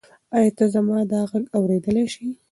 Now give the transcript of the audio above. ایا ته زما دا غږ اورېدلی شې؟